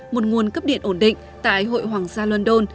một nguồn cấp điện ổn định tại hội hoàng gia london